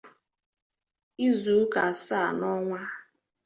izuụka asaa n'ọnwa